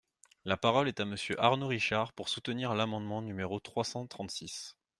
La parole est à Monsieur Arnaud Richard, pour soutenir l’amendement numéro trois cent trente-six.